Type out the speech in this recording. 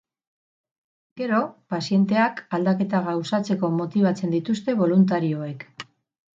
Gero, pazienteak aldaketa gauzatzeko motibatzen dituzte boluntarioek.